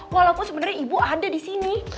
walaupun sebenarnya ibu ada disini